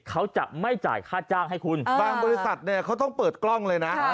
เขาจะไม่จ่ายค่าจ้างให้คุณบางบริษัทเนี่ยเขาต้องเปิดกล้องเลยนะ